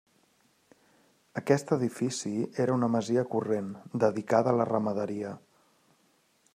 Aquest edifici era una masia corrent, dedicada a la ramaderia.